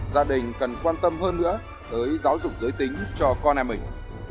gia đình cần quan tâm hơn nữa tới giáo dục giới tính cho con em mình